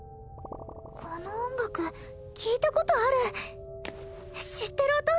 この音楽聞いたことある知ってる音！